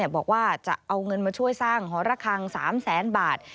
บอกว่าจะเอาเงินมาช่วยสร้างหอระคัง๓แสนบาท